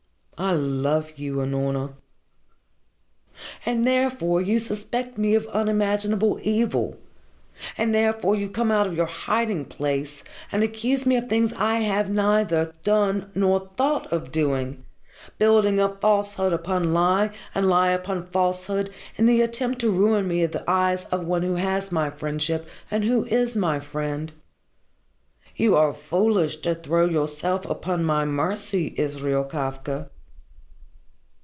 "I love you, Unorna." "And therefore you suspect me of unimaginable evil and therefore you come out of your hiding place and accuse me of things I have neither done nor thought of doing, building up falsehood upon lie, and lie upon falsehood in the attempt to ruin me in the eyes of one who has my friendship and who is my friend. You are foolish to throw yourself upon my mercy, Israel Kafka."